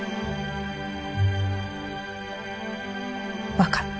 分かった。